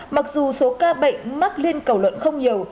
mặc dù số ca bệnh mắc liên cầu lợn không nhiều